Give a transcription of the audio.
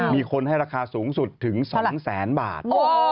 มีคนให้ราคาสูงสุดถึง๒แสนบาท